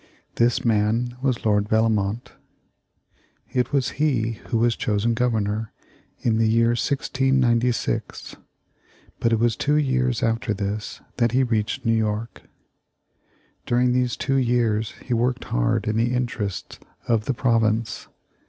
This man was Lord Bellomont. It was he who was chosen Governor in the year 1696. But it was two years after this that he reached New York. During these two years he worked hard in the interests of the province.